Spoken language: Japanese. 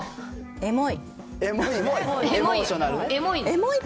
エモい？